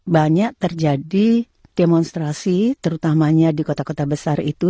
banyak terjadi demonstrasi terutamanya di kota kota besar itu